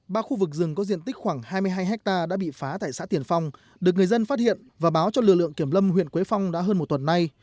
ba khu vực rừng có diện tích khoảng hai mươi hai hectare đã bị phá tại xã tiền phong được người dân phát hiện và báo cho lực lượng kiểm lâm huyện quế phong đã hơn một tuần nay